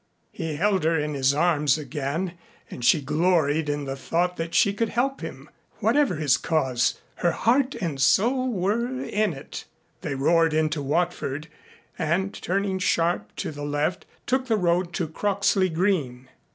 He held her in his arms again and she gloried in the thought that she could help him. Whatever his cause, her heart and soul were in it. They roared into Watford and, turning sharp to the left, took the road to Croxley Green.